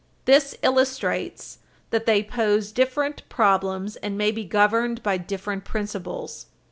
This illustrates that they pose different problems, and may be governed by different principles.